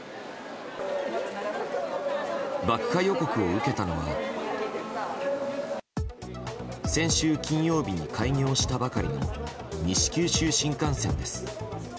爆破予告を受けたのは先週金曜日に開業したばかりの西九州新幹線です。